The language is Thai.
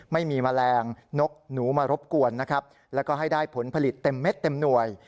ไม่มีแมลงนกหนูมารบกวนและให้ได้ผลผลิตเต็มเม็ดเต็มหน่วย